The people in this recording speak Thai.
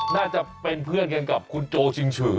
น่าจะเป็นเพื่อนกันกับคุณโจชิงฉือ